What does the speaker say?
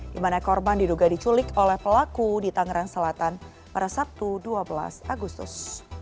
di mana korban diduga diculik oleh pelaku di tangerang selatan pada sabtu dua belas agustus